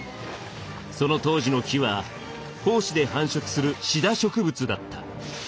その当時の木は胞子で繁殖するシダ植物だった。